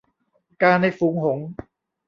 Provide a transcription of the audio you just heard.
กาในฝูงหงส์